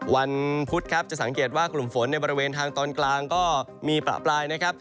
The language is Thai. วันพุธครับจะสังเกตว่ากลุ่มฝนในบริเวณทางตอนกลางก็มีประปรายนะครับ